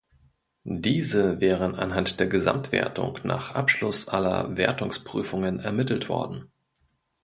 Diese wären anhand der Gesamtwertung nach Abschluss aller Wertungsprüfungen ermittelt worden.